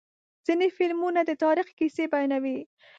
ځینې فلمونه د تاریخ کیسې بیانوي.